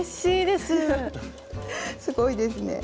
すごいですね。